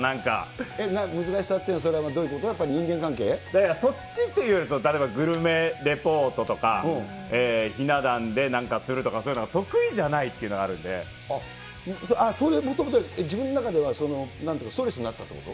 難しさっていうのは、それはそっちというより、例えばグルメレポートとか、ひな壇でなんかするとか、そういうのが得意じゃないというのがあそういう、もともとは自分の中ではストレスになってたってこと？